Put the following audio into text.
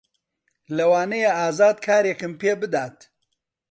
لەوانەیە ئازاد کارێکم پێ بدات.